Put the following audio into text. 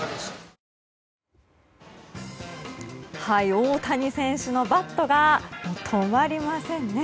大谷選手のバットが止まりませんね！